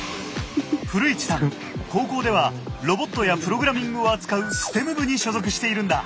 古市さん高校ではロボットやプログラミングを扱うＳＴＥＭ部に所属しているんだ。